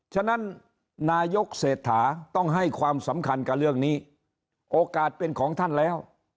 ฉะนั้นนายกเศรษฐาต้องให้ความสำคัญกับเรื่องนี้โอกาสเป็นของท่านแล้ว